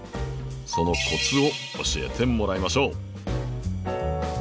そのコツを教えてもらいましょう。